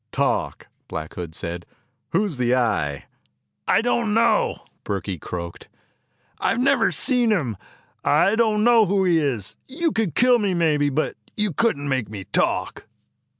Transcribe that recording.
"Talk!" Black Hood said. "Who is the Eye?" "I don't know," Burkey croaked. "I've never seen him. I don't know who he is. You could kill me maybe, but you couldn't make me talk."